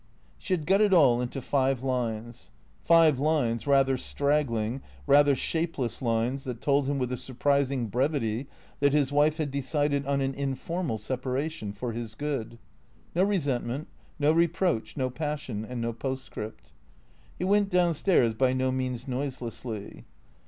She had got it all into five lines. Five lines, rather strag gling, rather shapeless lines that told him with a surprising brevity that his wife had decided on an informal separation, for his good. No resentment, no reproach, no passion and no postscript. He went down stairs by no means noiselessly.